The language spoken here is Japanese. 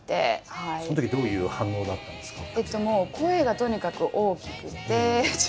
そのときどういう反応だったんですか？